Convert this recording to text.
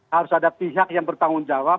harus ada pihak yang bertanggung jawab